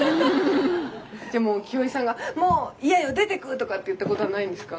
じゃあもうキヨイさんが「もう嫌よ。出てく」とか言ったことはないんですか？